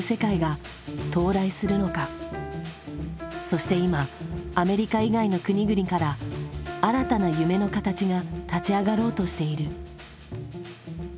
そして今アメリカ以外の国々から新たな夢の形が立ち上がろうとしている。